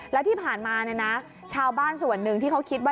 แล้วที่ผ่านมาเนี่ยนะชาวบ้านส่วนหนึ่งที่เขาคิดว่า